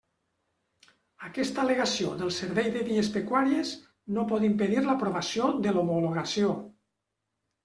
Aquesta al·legació del Servei de Vies Pecuàries no pot impedir l'aprovació de l'homologació.